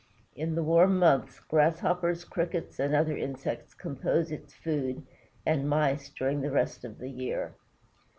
In the warm months Grasshoppers, Crickets, and other insects compose its food, and Mice during the rest of the year.